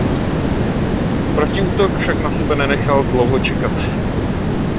Protiútok však na sebe nenechal dlouho čekat.